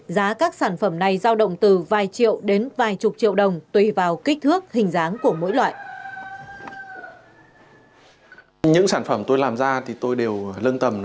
giá các sản phẩm này giao động từ vài triệu đến vài chục triệu đồng tùy vào kích thước hình dáng của mỗi loại